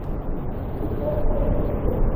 ھون ڪوم ڪرو